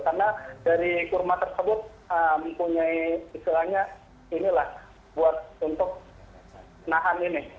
karena dari kurma tersebut punya istilahnya inilah buat untuk nahan ini